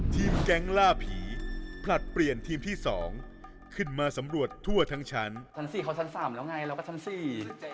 ชั้นสี่เขาชั้นสามแล้วละกันก็ชั้นสี่